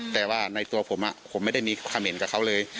แต่ว่าในตัวผมผมไม่ได้มีความเห็นกับเขาเลย